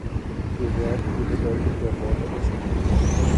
Wir werden die Bedeutung der Worte respektieren.